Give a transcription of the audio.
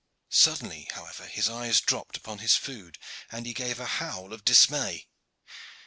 Suddenly, however, his eyes dropped upon his food, and he gave a howl of dismay.